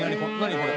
これ」